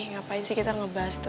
ngapain sih kita ngebahas itu